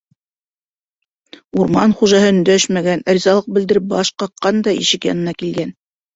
Урман хужаһы өндәшмәгән, ризалыҡ белдереп баш ҡаҡҡан да ишек янына килгән.